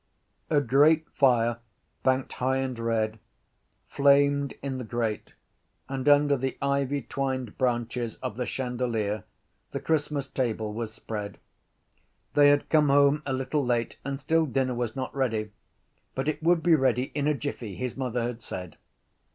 A great fire, banked high and red, flamed in the grate and under the ivytwined branches of the chandelier the Christmas table was spread. They had come home a little late and still dinner was not ready: but it would be ready in a jiffy, his mother had said.